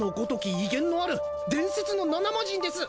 威厳のある伝説の７マジンです！